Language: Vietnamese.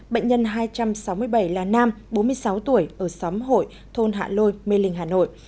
bệnh nhân hai trăm sáu mươi bảy là nam bốn mươi sáu tuổi ở xóm hội thôn hạ lôi mê linh hà nội